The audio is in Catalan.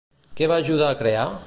Què va ajudar a crear?